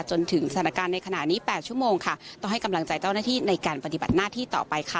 จนถึงสถานการณ์ในขณะนี้๘ชั่วโมงค่ะต้องให้กำลังใจเจ้าหน้าที่ในการปฏิบัติหน้าที่ต่อไปค่ะ